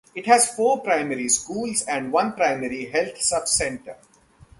It has four primary schools and one primary health sub centre.